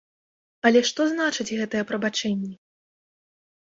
Але што значаць гэтыя прабачэнні?